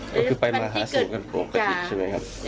ก็คือไปมาหาสู่กันปกติใช่ไหมครับ